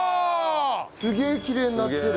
すげえきれいになってる！